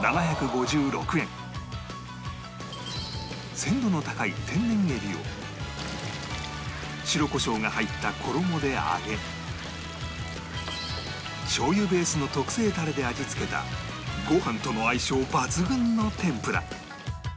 鮮度の高い天然エビを白コショウが入った衣で揚げしょうゆベースの特製タレで味付けたご飯との相性抜群の天ぷら